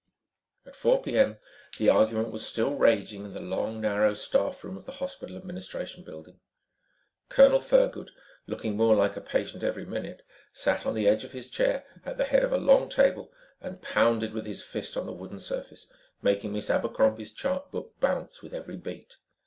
At 4:00 p.m., the argument was still raging in the long, narrow staff room of the hospital administration building. Colonel Thurgood, looking more like a patient every minute, sat on the edge of his chair at the head of a long table and pounded with his fist on the wooden surface, making Miss Abercrombie's chart book bounce with every beat.